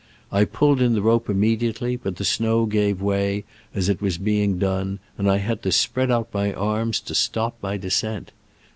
I pulled in the rope immediately, but the snow gave way as it was being done, and I had to spread out my arms to stop my descent.